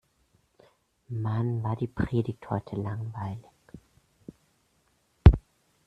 Mann, war die Predigt heute langweilig!